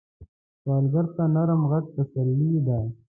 سوالګر ته نرم غږ تسلي ده